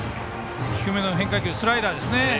低めの変化球スライダーですね。